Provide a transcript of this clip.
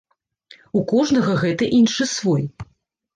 У кожнага гэты іншы свой.